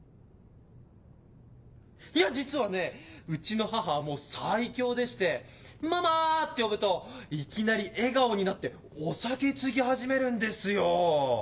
いや実はねうちの母はもう最強でして「ママ」って呼ぶといきなり笑顔になってお酒つぎ始めるんですよ。